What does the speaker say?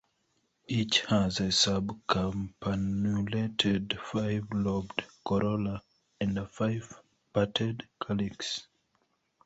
Each has a subcampanulated five-lobed corolla and a five-parted calyx.